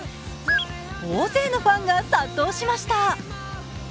大勢のファンが殺到しました。